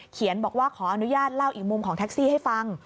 บอกว่าขออนุญาตเล่าอีกมุมของแท็กซี่ให้ฟัง